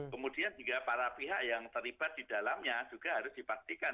kemudian juga para pihak yang terlibat di dalamnya juga harus dipastikan